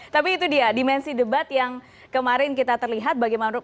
tapi itu dia dimensi debat yang kemarin kita terlihat